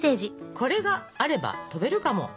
「これがあれば飛べるかも」。